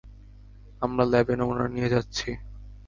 আমরা ল্যাবে নমুনা নিয়ে যাচ্ছি।